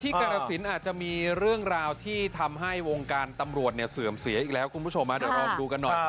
กรสินอาจจะมีเรื่องราวที่ทำให้วงการตำรวจเนี่ยเสื่อมเสียอีกแล้วคุณผู้ชมเดี๋ยวลองดูกันหน่อย